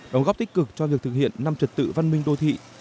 đóng góp tích cực cho việc thực hiện năm trật tự văn minh đô thị